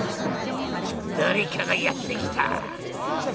誰かがやって来た！